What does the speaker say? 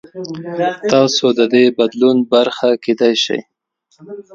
تاسو د دې بدلون برخه کېدای شئ.